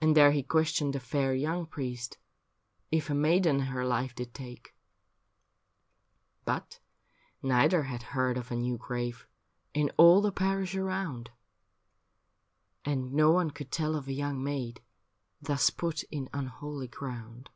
And there he questioned the fiiir young priest If a maiden her life did take. THE FETCH: A BALLAD 33 But neither had heard of a new grave In all the parish around, And no one could tell of a young maid Thus put in unholy ground.